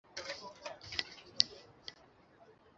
imitwe ibiri, umutima umwe.